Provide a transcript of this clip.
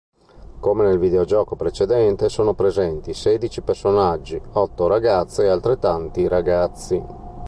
Come nel videogioco precedente, sono presenti sedici personaggi, otto ragazze e altrettanti ragazzi.